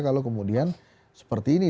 kalau kemudian seperti ini